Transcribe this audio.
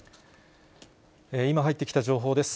今入ってきた情報です。